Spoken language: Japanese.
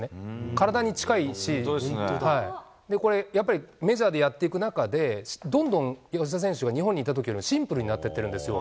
体に近いし、これ、やっぱりメジャーでやっていく中で、どんどん吉田選手が日本にいたときよりも、シンプルになっていってるんですよ。